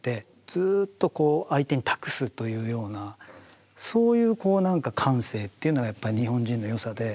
ずっとこう相手に「託す」というようなそういうこうなんか感性っていうのはやっぱり日本人の良さで。